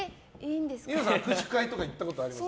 二葉さん、握手会とか行ったことあります？